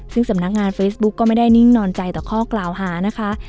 ซึ่งสำนักงานเฟซบุ๊กก็ไม่ได้นิ่งนอนใจต่อข้อกล่าวหานะคะ